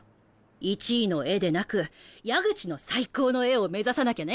１位の絵でなく矢口の最高の絵を目指さなきゃね。